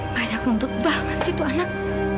banyak nuntut banget sih itu anak